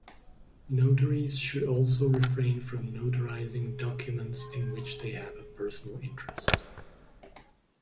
Notaries should also refrain from notarizing documents in which they have a personal interest.